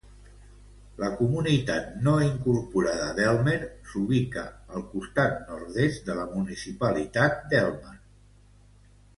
La comunitat no incorporada d'Elmer s'ubica al costat nord-est de la municipalitat d'Elmer.